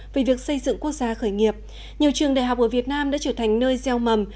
về việc xây dựng quốc gia khởi nghiệp nhiều trường đại học ở việt nam đã trở thành nơi gieo mầm